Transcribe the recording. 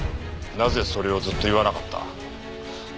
なぜそれをずっと言わなかった？